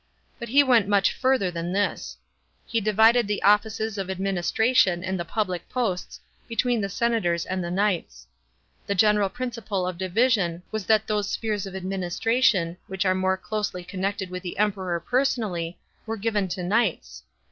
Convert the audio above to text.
But he went much further than this. He divided the offices of administration and the public posts between the senators and the knights. The general principle of division was that those spheres of administration, which were more closely connected with the Emperor personally, were given to knights.